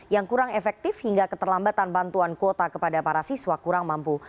yang kurang efektif hingga keterlambatan bantuan kuota kepada para siswa kurang mampu